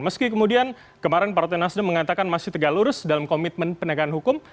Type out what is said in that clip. meski kemudian kemarin partai nasdem mengatakan masih tegak lurus dalam komitmen penegakan hukum